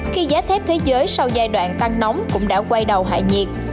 khi giá thép thế giới sau giai đoạn tăng nóng cũng đã quay đầu hạ nhiệt